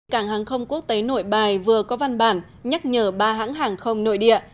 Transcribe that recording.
cảng hàng không quốc tế nội bài vừa có văn bản nhắc nhở ba hãng hàng không nội địa